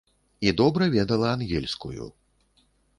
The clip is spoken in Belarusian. І добра ведала ангельскую.